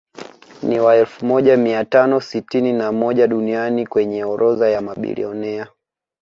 Ni wa elfu moja mia tano sitini na moja duniani kwenye orodha ya mabilionea